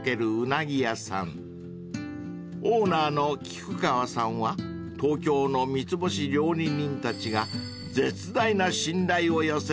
［オーナーの菊川さんは東京の三つ星料理人たちが絶大な信頼を寄せる目利き］